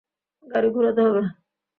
গাড়ি ঘুরাতে হবে।